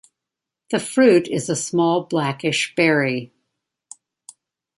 The fruit is a small blackish berry.